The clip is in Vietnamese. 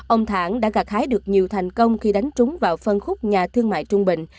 ông thản đã gạt hái được nhiều thành công khi đánh trúng vào phân khúc nhà thương mại trung bình